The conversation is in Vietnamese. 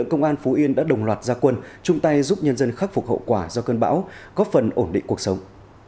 công an phú yên đã đồng loạt gia quân chung tay giúp nhân dân khắc phục hậu quả do cơn bão góp phần ổn định cuộc sống